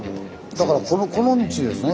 だからこの道ですね。